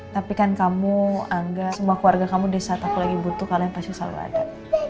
tapi kan kamu anggap semua keluarga kamu desa tak lagi butuh kalian pasti selalu ada